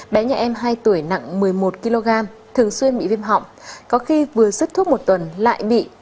bé nhà em hai tuổi nặng một mươi một kg thường xuyên bị viêm họng có khi vừa xuất thuốc một tuần lại bị